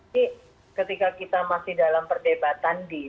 jadi ketika kita masih dalam perdebatan din